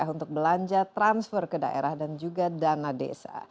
untuk belanja transfer ke daerah dan juga dana desa